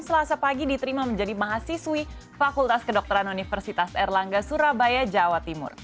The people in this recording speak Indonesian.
selasa pagi diterima menjadi mahasiswi fakultas kedokteran universitas erlangga surabaya jawa timur